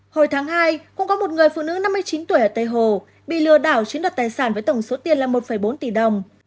hồi tháng hai cũng có một người phụ nữ năm mươi chín tuổi ở tây hồ bị lừa đảo chiếm đoạt tài sản với tổng số tiền là một bốn tỷ đồng